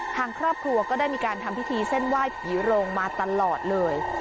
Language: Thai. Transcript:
ทางครอบครัวก็ได้มีการทำพิธีเส้นไหว้ผีโรงมาตลอดเลย